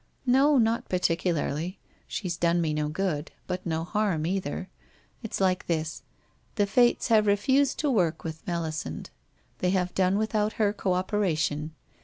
'No, not particularly. She's done me no good. But no harm either. It's like this. The Fates have refused to work with Melisande. They have done without her co op eration.